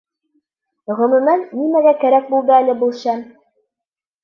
Ғөмүмән, нимәгә кәрәк булды әле был шәм?